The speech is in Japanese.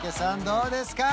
どうですか？